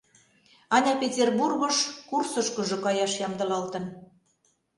Аня Петербургыш курсышкыжо каяш ямдылалтын.